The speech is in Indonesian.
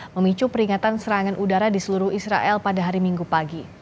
memicu peringatan serangan udara di seluruh israel pada hari minggu pagi